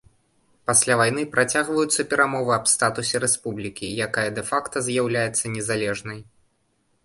Пасля вайны працягваюцца перамовы аб статусе рэспублікі, якая дэ-факта з'яўляецца незалежнай.